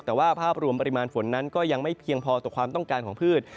แต่ว่าภาพรวมปริมาณฝนนั้นก็ยังไม่เพียงพอต่อความต้องการของพืช